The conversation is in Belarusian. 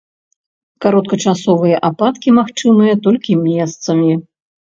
Кароткачасовыя ападкі магчымыя толькі месцамі.